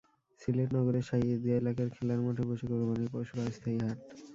সিলেট নগরের শাহি ঈদগাহ এলাকার খেলার মাঠে বসে কোরবানির পশুর অস্থায়ী হাট।